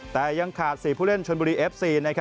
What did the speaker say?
แต่ยังขาด๔ผู้เล่นชนบุรีเอฟซี